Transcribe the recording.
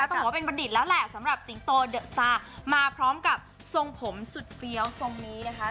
ต้องบอกว่าเป็นบัณฑิตแล้วแหละสำหรับสิงโตเดอะซามาพร้อมกับทรงผมสุดเฟี้ยวทรงนี้นะคะ